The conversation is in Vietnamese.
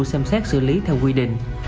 xem xét xử lý theo quy định